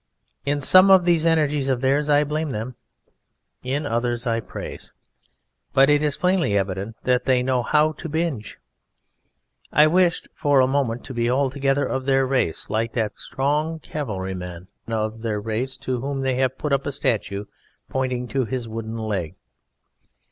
In some of these energies of theirs I blame them, in others I praise; but it is plainly evident that they know how to binge. I wished (for a moment) to be altogether of their race, like that strong cavalry man of their race to whom they have put up a statue pointing to his wooden leg.